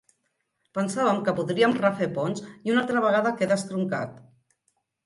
Pensàvem que podríem refer ponts i una altra vegada queda estroncat.